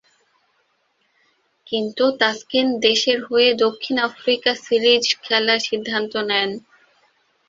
কিন্তু তাসকিন দেশের হয়ে দক্ষিণ আফ্রিকা সিরিজ খেলার সিদ্ধান্ত নেন।